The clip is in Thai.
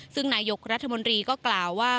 ซึ่งนายกรัฐมนตรีก็กล่าวว่า